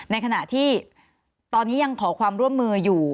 ในขณะที่ตอนนี้ยังขอความร่วมมืออยู่